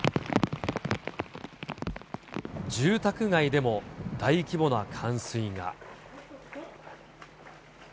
住宅街でも大規模な冠水が。